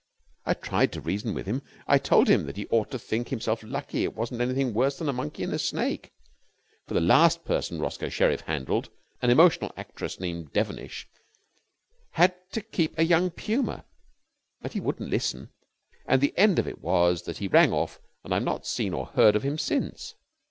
I tried to reason with him. I told him that he ought to think himself lucky it wasn't anything worse than a monkey and a snake, for the last person Roscoe Sherriff handled, an emotional actress named Devenish, had to keep a young puma. But he wouldn't listen, and the end of it was that he rang off and I have not seen or heard of him since.